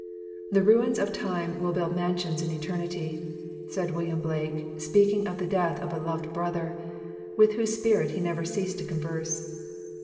"The ruins of Time build mansions in Eternity," said Wil liam Blake, speaking of the death of a loved brother, with whose spirit he never ceased to converse.